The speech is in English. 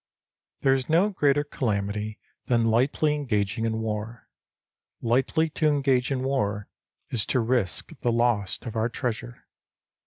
There is no greater calamity than lightly engaging in war. Lightly to engage in war is to risk the loss of our treasure.